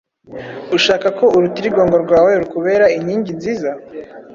ushaka ko urutirigongo rwawe rukubera inkingi nziza,